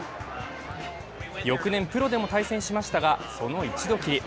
翌年プロでも対戦しましたが、その一度きり。